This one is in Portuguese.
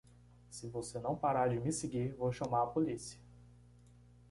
Se você não parar de me seguir, vou chamar a polícia.